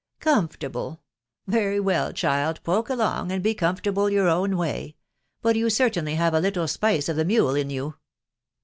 " Comfortable !.... very well, child, poke along, and be comfortable your own way .... but you certainly have a little spice of the mule in you."